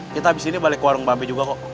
kita abis ini balik ke warung bambi juga kok